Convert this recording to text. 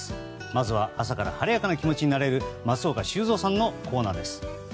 まずは、朝から晴れやかな気持ちになれる松岡修造さんのコーナーです。